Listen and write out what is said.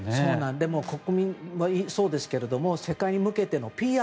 でも国民もそうですけど世界に向けてのＰＲ